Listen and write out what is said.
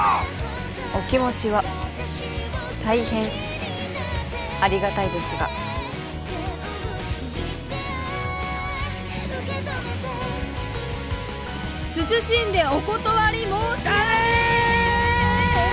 お気持ちは大変ありがたいですが謹んでお断り申し上げダメ！